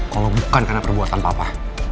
kalau bukan karena perbuatan papa